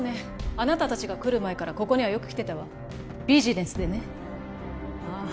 あなた達が来る前からここにはよく来てたわビジネスでねああ